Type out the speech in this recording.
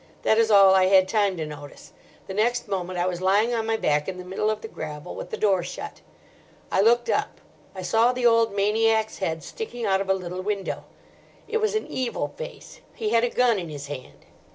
That is all I had time to notice. The next moment I was lying on my back in the middle of the gravel with the door shut. I looked up. I saw the old maniac's head sticking out of a little window. It was an evil face. He had a gun in his hand.